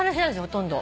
ほとんど。